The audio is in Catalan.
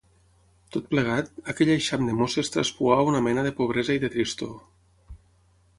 Tot plegat, aquell eixam de mosses traspuava una mena de pobresa i de tristor…